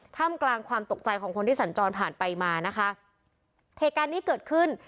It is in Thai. ท่ามกลางความตกใจของคนที่สัญจรผ่านไปมานะคะเหตุการณ์นี้เกิดขึ้น